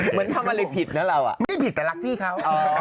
เหมือนทำอะไรผิดนะเราไม่ผิดแต่รักพี่เขา